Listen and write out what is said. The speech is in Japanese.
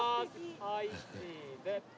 はいチーズ！